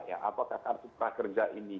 apakah kartu prakerja ini